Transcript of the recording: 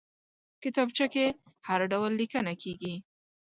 کتابچه کې هر ډول لیکنه کېږي